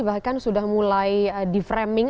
bahkan sudah mulai di framing